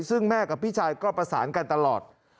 ซึ่งแม่กับพี่ชายก็ประสานกันตลอด